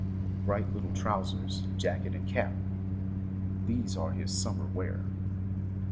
Bright Httle trousers, jacket, and cap — These are his summer wear.